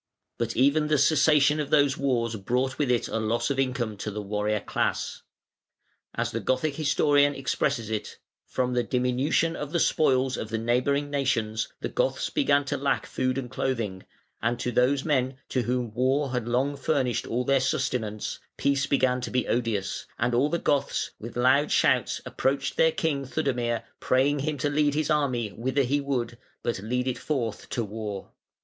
But even the cessation of those wars brought with it a loss of income to the warrior class. As the Gothic historian expresses it: "From the diminution of the spoils of the neighbouring nations the Goths began to lack food and clothing, and to those men to whom war had long furnished all their sustenance peace began to be odious, and all the Goths with loud shouts approached their king Theudemir praying him to lead his army whither he would, but to lead it forth to war".